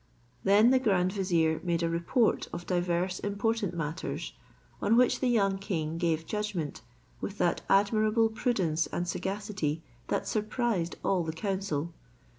Then the grand vizier made a report of divers important matters, on which the young king gave judgment with that admirable prudence and sagacity that surprised all the council.